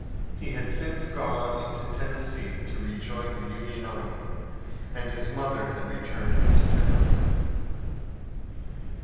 He had since gone into Tennessee to rejoin the Union army, and his mother had returned to Pendleton.